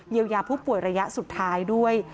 ยายาผู้ป่วยระยะสุดท้ายด้วย